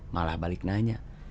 malah balik nanya